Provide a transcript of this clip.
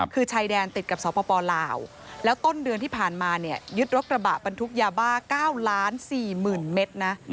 คือชายแดนติดกับสปลาวแล้วต้นเดือนที่ผ่านมาเนี่ยยึดรถกระบะบรรทุกยาบ้า๙๔๐๐๐เมตรนะ